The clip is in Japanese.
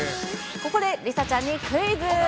これで梨紗ちゃんにクイズ。